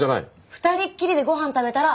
２人っきりでごはん食べたら不倫。